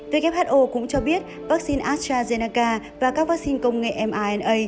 who cũng cho biết vaccine astrazeneca và các vaccine công nghệ mrna